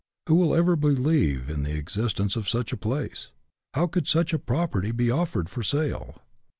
Who will ever believe in the existence of such a place ? How could such a property be offered for sale